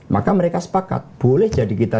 maka mereka sepakat boleh jadi kita